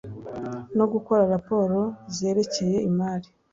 No gukora raporo zerekeye imari